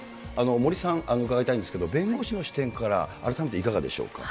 森さん、伺いたいんですけれども、弁護士の視点から改めていかがでしょうか。